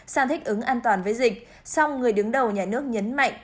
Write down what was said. sang thích ứng an toàn với dịch song người đứng đầu nhà nước nhấn mạnh